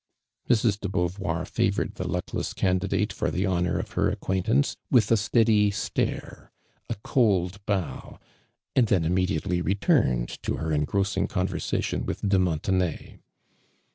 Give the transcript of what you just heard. Mrs. de Beauvoir favored the luckless cantlidate for the honor of her acquaint ance, with a steiuly stare, a cold bow, and then immediately returned to her engross ing conversation • with tie Montenay.